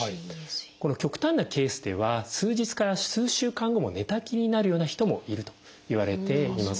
この極端なケースでは数日から数週間後も寝たきりになるような人もいるといわれています。